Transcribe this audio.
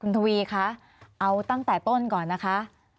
ทวีคะเอาตั้งแต่ต้นก่อนนะคะ